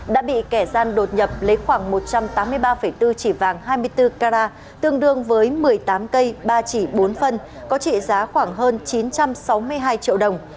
đã bị kẻ gian đột nhập lấy khoảng một trăm tám mươi ba bốn chỉ vàng hai mươi bốn carat tương đương với một mươi tám cây ba chỉ bốn phân có trị giá khoảng hơn chín trăm sáu mươi hai triệu đồng